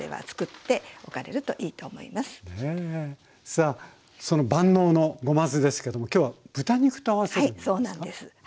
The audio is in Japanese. さあその万能のごま酢ですけども今日は豚肉と合わせるんですか？